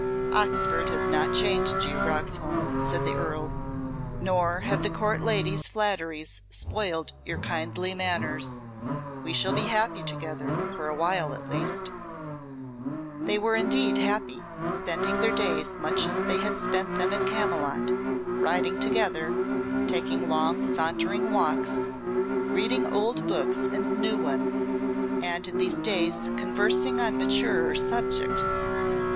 "Oxford has not changed you, Roxholm," said the Earl. "Nor have the Court ladies' flatteries spoiled your kindly manners. We shall be happy together, for awhile at least." They were indeed happy, spending their days much as they had spent them at Camylott riding together, taking long sauntering walks, reading old books and new ones, and in these days conversing on maturer subjects.